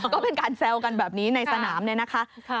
ก็เป็นการแซวกันแบบนี้ในสนามเนี่ยนะคะ